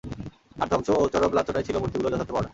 আর ধ্বংস ও চরম লাঞ্ছনাই ছিল মূর্তিগুলোর যথার্থ পাওনা।